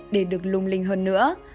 để được lung linh hơn nữa